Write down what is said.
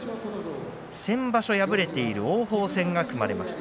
先場所敗れている王鵬戦が組まれました。